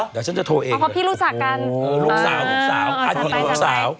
หลวงสาวโน้งสาวอารุสาว